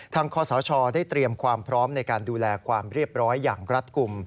คอสชได้เตรียมความพร้อมในการดูแลความเรียบร้อยอย่างรัฐกลุ่ม